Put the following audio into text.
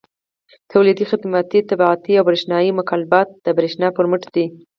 تولیدي، خدماتي، طباعتي او برېښنایي مکالمات د برېښنا پر مټ دي.